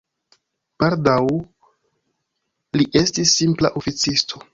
Baldaŭ li estis simpla oficisto.